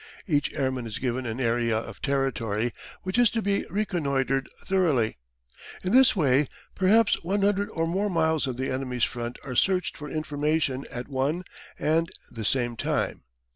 Each airman is given an area of territory which is to be reconnoitred thoroughly. In this way perhaps one hundred or more miles of the enemy's front are searched for information at one and the same time.